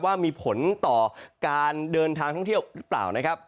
ว่ามีผลต่อการเดินทางท่องเที่ยวหรือเปล่านะครับ